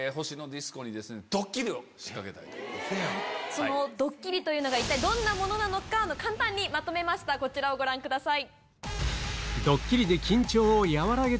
そのドッキリというのが一体どんなものなのか簡単にまとめましたこちらをご覧ください。